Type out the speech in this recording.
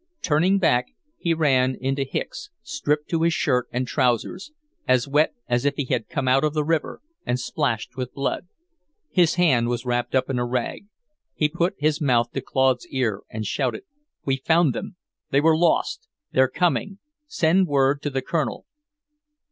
Turning back, he ran into Hicks, stripped to his shirt and trousers, as wet as if he had come out of the river, and splashed with blood. His hand was wrapped up in a rag. He put his mouth to Claude's ear and shouted: "We found them. They were lost. They're coming. Send word to the Colonel."